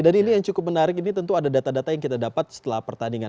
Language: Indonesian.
dan ini yang cukup menarik ini tentu ada data data yang kita dapat setelah pertandingan